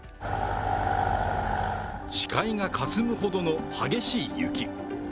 視界がかすむほどの激しい雪。